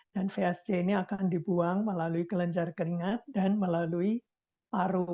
dan vsc ini akan dibuang melalui kelenjar keringat dan melalui paru